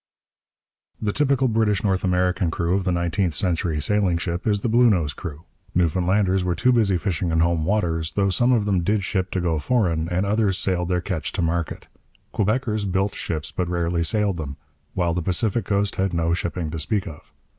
The typical British North American crew of the nineteenth century sailing ship is the Bluenose crew. Newfoundlanders were too busy fishing in home waters, though some of them did ship to go foreign and others sailed their catch to market. Quebeckers built ships, but rarely sailed them; while the Pacific coast had no shipping to speak of.